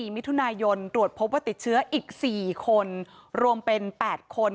มิถุนายนตรวจพบว่าติดเชื้ออีก๔คนรวมเป็น๘คน